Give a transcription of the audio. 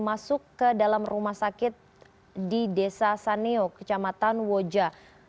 masuk ke dalam rumah sakit di desa saneo kecamatan woja